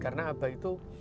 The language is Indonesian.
karena aba itu